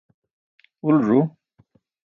ulo ẓu